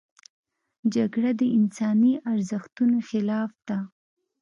جګړه د انساني ارزښتونو خلاف ده